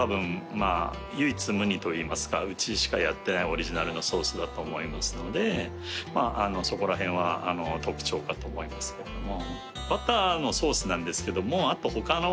うちしかやってないオリジナルのソースだと思いますのでそこら辺は特徴かと思いますけども。